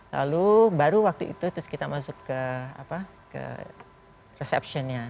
lalu baru waktu itu terus kita masuk ke apa ke receptionnya